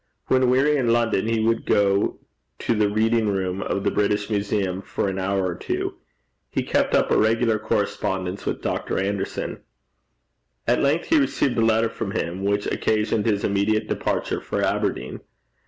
When weary in London, he would go to the reading room of the British Museum for an hour or two. He kept up a regular correspondence with Dr. Anderson. At length he received a letter from him, which occasioned his immediate departure for Aberdeen.